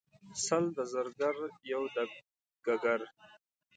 سل د زرګر یو دګګر.